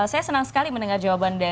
saya senang sekali mendengar jawaban dari